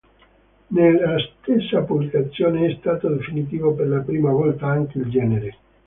Nella stessa pubblicazione è stato definito per la prima volta anche il genere.